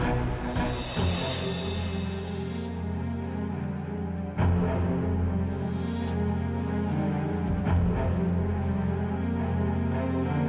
lihat sini aku nanti